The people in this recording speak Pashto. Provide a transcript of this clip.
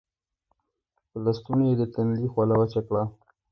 پۀ لستوڼي يې د تندي خوله وچه کړه